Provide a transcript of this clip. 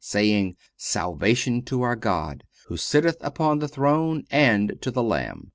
saying: 'Salvation to our God, who sitteth upon the throne, and to the Lamb.